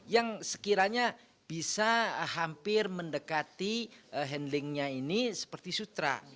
yang sekiranya bisa hampir mendekati handlingnya ini seperti sutra